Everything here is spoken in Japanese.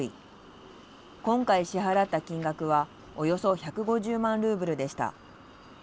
今回、支払った金額はおよそ１５０万ルーブルでした。